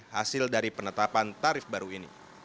hasil dari penetapan tarif baru ini